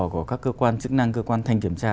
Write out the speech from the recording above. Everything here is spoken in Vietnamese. của các cơ quan chức năng cơ quan thanh kiểm tra